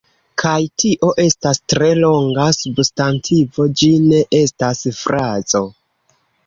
Kaj tio estas tre longa substantivo, ĝi ne estas frazo: